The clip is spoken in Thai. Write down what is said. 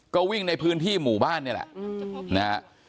ก็วิ่งในพื้นที่หมู่บ้านนี่แหละนะฮะ